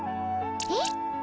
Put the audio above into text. えっ？